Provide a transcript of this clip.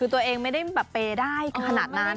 คือตัวเองไม่ได้แบบเปย์ได้ขนาดนั้น